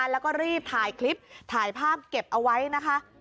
แล้วก็รีบถ่ายคลิปถ่ายภาพเก็บเอาไว้นะคะ